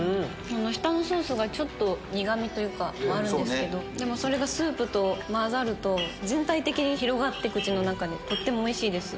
下のソースがちょっと苦みというかあるんですけどでもそれがスープと混ざると全体的に広がって口の中でとってもおいしいです。